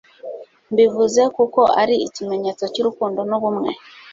mbivuze kuko ari ikimenyetso cy'urukundo n'ubumwe